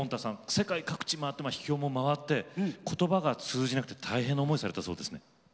世界各地を回って秘境も回って言葉が通じなくて大変な思いをされたそうですね。